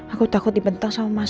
aku takut dibentang sama mas